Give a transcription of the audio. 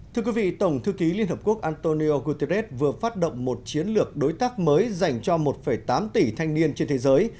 thưa quý vị tổng thư ký liên hợp quốc antonio guterres vừa phát động một chiến lược đối tác mới dành cho một tám tỷ thanh niên trên thế giới